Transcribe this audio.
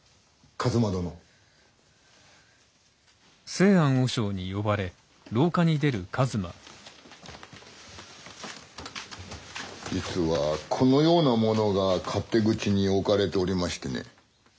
実はこのようなものが勝手口に置かれておりましてね。